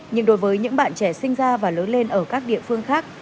nhưng đối với những bạn trẻ sinh ra và lớn lên ở các địa phương khác